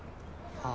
はあ。